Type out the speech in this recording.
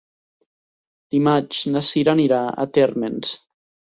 Dimarts na Cira anirà a Térmens.